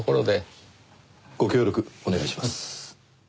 ご協力お願いします。